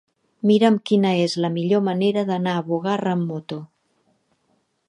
Mira'm quina és la millor manera d'anar a Bugarra amb moto.